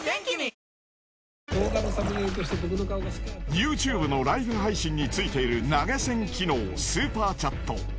ＹｏｕＴｕｂｅのライブ配信についている投げ銭機能スーパーチャット。